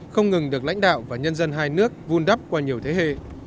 không ngừng được lãnh đạo và nhân dân hai nước vun đắp qua nhiều thế hệ